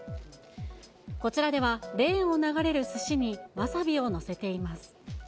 こちらでは、レーンを流れるすしにわさびを載せています。